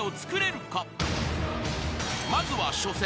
［まずは初戦。